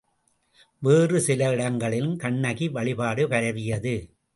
வேறு சில இடங்களிலும் கண்ணகி வழிபாடு பரவியது.